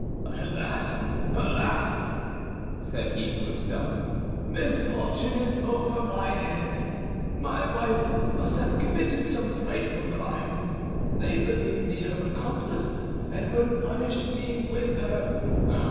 "Alas, alas!" said he to himself, "misfortune is over my head; my wife must have committed some frightful crime. They believe me her accomplice, and will punish me with her.